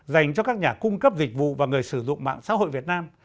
dành cho các nhà cung cấp dịch vụ và người sử dụng mạng xã hội việt nam